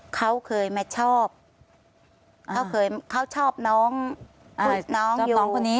เขาเคยมาชอบเขาชอบน้องอยู่